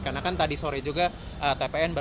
karena kan tadi sore juga tpn